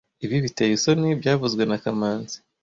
Ibi biteye isoni byavuzwe na kamanzi